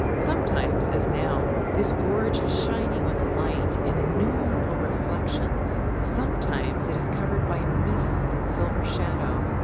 Sometimes, as now, this gorge is shining with light and innumerable reflections, sometimes it is covered by mists and silver shadow.